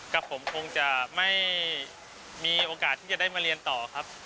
กับผมคงจะไม่มีโอกาสที่จะได้มาเรียนต่อครับ